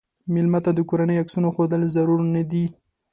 مېلمه ته د کورنۍ عکسونه ښودل ضرور نه دي.